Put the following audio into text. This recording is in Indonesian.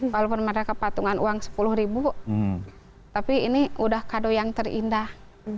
walaupun mereka patungan uang sepuluh ribu tapi ini udah kado yang terindah